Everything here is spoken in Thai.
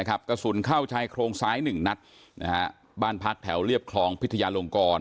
กระศุลเฮ่าชายโครงซ้ายหนึ่งนัดบ้านพกแถวเรียบคลองพิธยาโรงกร